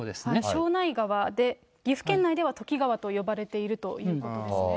庄内川で岐阜県内では、土岐川と呼ばれているということです